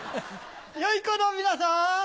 良い子の皆さん！